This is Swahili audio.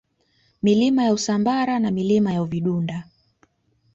Milima ya Usambara na Milima ya Uvidunda